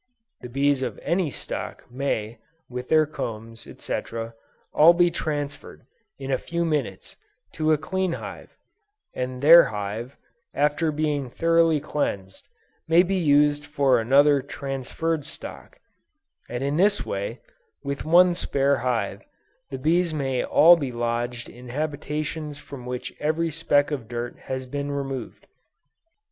The bees of any stock may, with their combs, &c., all be transferred, in a few minutes, to a clean hive; and their hive, after being thoroughly cleansed, may be used for another transferred stock; and in this way, with one spare hive, the bees may all be lodged in habitations from which every speck of dirt has been removed.